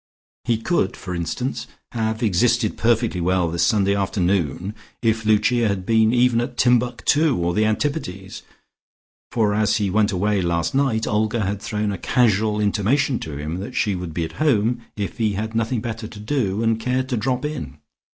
He could, for instance, have existed perfectly well this Sunday afternoon if Lucia had been even at Timbuctoo or the Antipodes, for as he went away last night, Olga had thrown a casual intimation to him that she would be at home, if he had nothing better to do, and cared to drop in.